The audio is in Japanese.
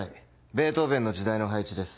ベートーヴェンの時代の配置です。